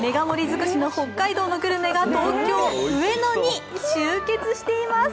づくしの北海道のグルメが東京・上野に集結しています。